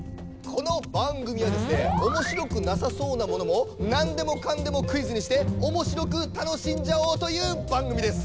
この番組はですねおもしろくなさそうなものもナンでもカンでもクイズにしておもしろく楽しんじゃおうという番組です。